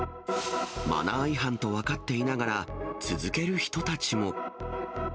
マナー違反と分かっていながら、続ける人たちも。